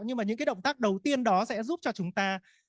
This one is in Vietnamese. nhưng mà những cái động tác đầu tiên đó sẽ giúp cho chúng ta